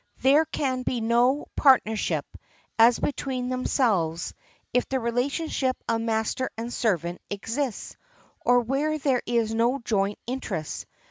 There can be no partnership, as between themselves, if the relationship of master and servant exists, or where there is no joint interest.